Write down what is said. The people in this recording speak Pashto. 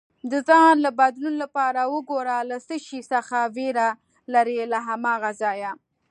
د ځان له بدلون لپاره وګوره له څه شي څخه ویره لرې، له هماغه ځایه